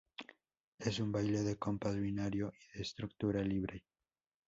Es un baile de compás binario, y de estructura libre.